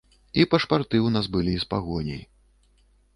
І пашпарты ў нас былі з пагоняй.